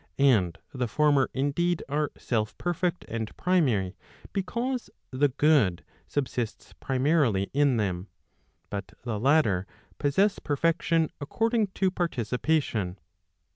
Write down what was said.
And the former indeed, are self perfect and primary, because the good subsists primarily in them; but the latter possess perfection according to participation.